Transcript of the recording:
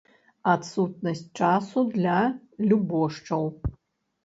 Адсутнасць часу для любошчаў.